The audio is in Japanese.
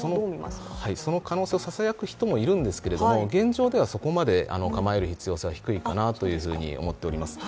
その可能性をささやく人もいるんですけど現状ではそこまで構える必要性は低いかなと思っております。